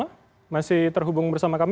ya mas rassamala masih terhubung bersama kami